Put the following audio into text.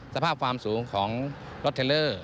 สภาพความสูงของรถเทลเลอร์